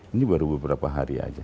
ini baru beberapa hari aja